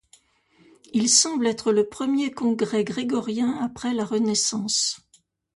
Il semble être le premier congrès grégorien, après la Renaissance.